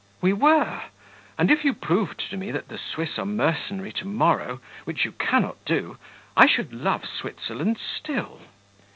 "We were and if you proved to me that the Swiss are mercenary to morrow (which you cannot do) I should love Switzerland still."